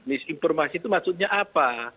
misinformasi itu maksudnya apa